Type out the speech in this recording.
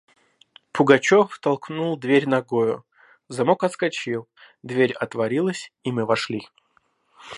Пугачев толкнул дверь ногою; замок отскочил; дверь отворилась, и мы вошли.